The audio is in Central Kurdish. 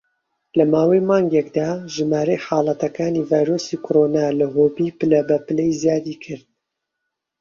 لە ماوەی مانگێکدا، ژمارەی حاڵەتەکانی ڤایرۆسی کۆرۆنا لە هوبی پلە بە پلە زیادی کرد.